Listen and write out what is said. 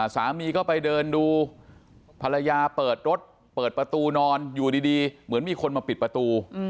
สามีก็ไปเดินดูภรรยาเปิดรถเปิดประตูนอนอยู่ดีเหมือนมีคนมาปิดประตู